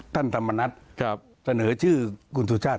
ท่านธรรมนัฐเสนอชื่อคุณสุชาติ